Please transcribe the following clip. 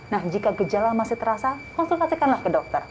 nah jika gejala masih terasa konsultasikanlah ke dokter